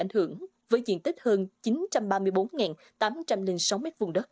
hơn chín trăm ba mươi bốn tám trăm linh sáu m hai